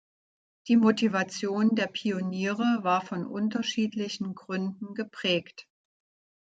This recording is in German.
Die Motivation der Pioniere war von unterschiedlichen Gründen geprägt.